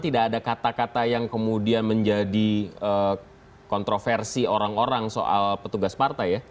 tidak ada kata kata yang kemudian menjadi kontroversi orang orang soal petugas partai ya